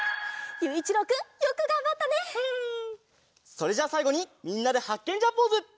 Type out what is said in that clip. それじゃあさいごにみんなでハッケンジャーポーズ！